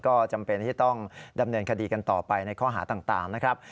ก็จำเป็นที่ต้องดำเนินคดีกันต่อไปในข้อหาต่างนะครับ